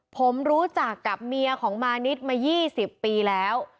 ผมรู้จักกับเมียของมานิดมา๒๐ปีแล้ว